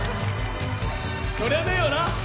それはねえよな。